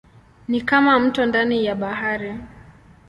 Ni kama mto ndani ya bahari.